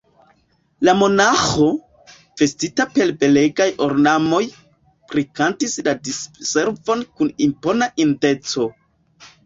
La monaĥo, vestita per belegaj ornamoj, prikantis la Diservon kun impona indeco.